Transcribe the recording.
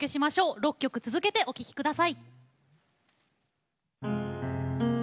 ６曲続けて、お聴きください。